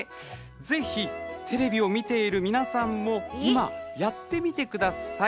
ぜひ、テレビを見ている皆さんも今やってみてください。